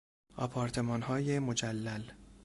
آپارتمانهای مجلل